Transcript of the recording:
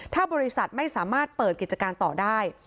ถ้าบริษัทไม่สามารถเปิดกิจการต่อได้